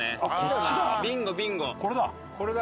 これだ！